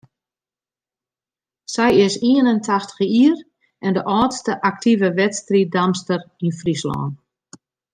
Sy is ien en tachtich jier en de âldste aktive wedstriiddamster yn Fryslân.